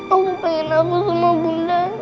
aku pengen aku sama bunda